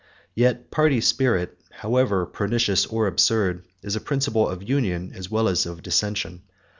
Yet party spirit, however pernicious or absurd, is a principle of union as well as of dissension.